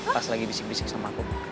pas lagi bisik bisik sama aku buka